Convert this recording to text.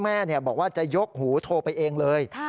แม่บอกว่าจะยกหูโทรไปเองเลย